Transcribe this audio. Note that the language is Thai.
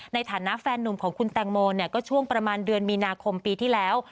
ในฐานะแฟนหนุ่มของคุณแตงโมก็ช่วงประมาณเดือนมีนาคมปีที่แล้ว